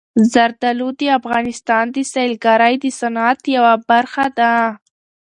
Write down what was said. زردالو د افغانستان د سیلګرۍ د صنعت یوه برخه ده.